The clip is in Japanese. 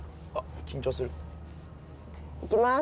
行きます。